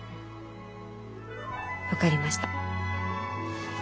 分かりました。